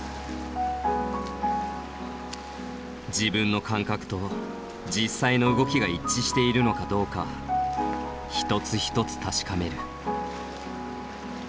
自分の感覚と実際の動きが一致しているのかどうか一つ一つ確かめる。